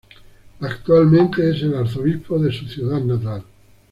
Actualmente es el Arzobispo de su ciudad natal.